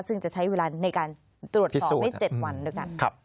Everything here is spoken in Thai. ซึ่งจะใช้เวลาในการตรวจสอบได้๗วันด้วยกัน